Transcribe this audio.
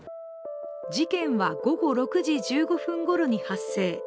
事件は午後６時１５分ごろに発生。